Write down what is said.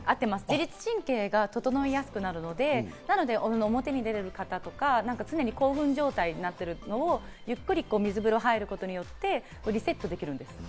自律神経が整いやすくなるので、表に出る方とか常に興奮状態になっているのをゆっくり水風呂に入ることによってリセットできるんです。